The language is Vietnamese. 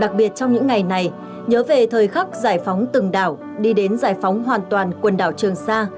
đặc biệt trong những ngày này nhớ về thời khắc giải phóng từng đảo đi đến giải phóng hoàn toàn quần đảo trường sa